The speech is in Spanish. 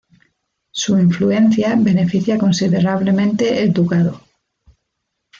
Su influencia beneficia considerablemente el ducado.